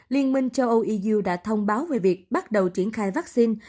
liên minh châu âu eu đã thông báo về việc bắt đầu triển khai vaccine